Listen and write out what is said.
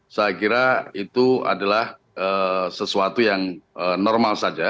saya kira itu adalah sesuatu yang normal saja